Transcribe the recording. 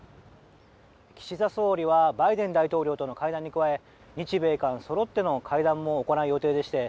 岸田総理はバイデン大統領との会談に加え日米韓そろっての会談も行う予定でして